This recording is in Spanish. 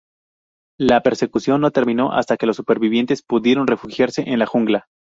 La persecución no terminó hasta que los supervivientes pudieron refugiarse en la jungla.